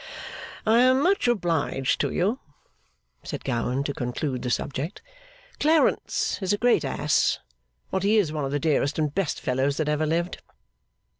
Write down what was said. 'I am much obliged to you,' said Gowan, to conclude the subject. 'Clarence is a great ass, but he is one of the dearest and best fellows that ever lived!